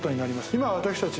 今私たち